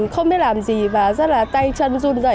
không biết làm gì và rất là tay chân run dậy